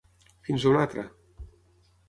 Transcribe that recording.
Fins a una altra!